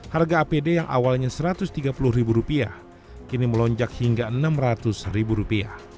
harga apd yang awalnya rp satu ratus tiga puluh kini melonjak hingga rp enam ratus